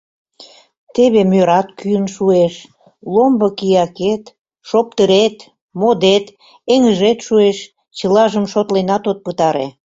Теве мӧрат кӱын шуэш, ломбо киякет, шоптырет, модет, эҥыжет шуэш, — чылажым шотленат от пытаре.